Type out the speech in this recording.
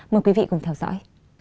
mời quý vị cùng theo dõi